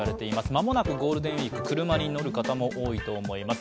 間もなくゴールデンウイーク、車に乗る方も多いと思います。